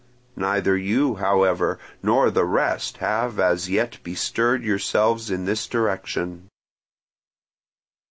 Neither you, however, nor the rest have as yet bestirred yourselves in this direction.